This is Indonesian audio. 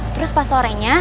terus pas sorenya